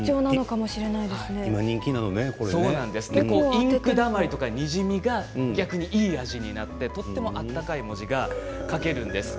インクだまりやにじみが、いい味になって温かい文字が書けるんです。